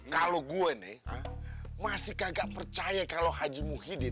kalo gua nih hah masih kagak percaya kalau haji muhyiddit